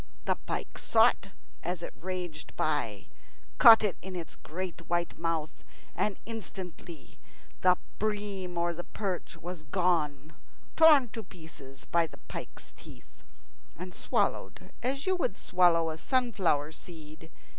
The pike saw it as it raged by, caught it in its great white mouth, and instantly the bream or the perch was gone, torn to pieces by the pike's teeth, and swallowed as you would swallow a sunflower seed.